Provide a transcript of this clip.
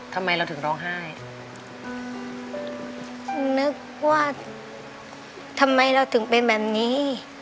ทำไมเราถึงร้องไห้นึกว่าทำไมเราถึงเป็นแบบนี้